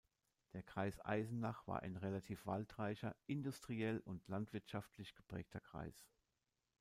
Der Kreis Eisenach war ein relativ waldreicher, industriell und landwirtschaftlich geprägter Kreis.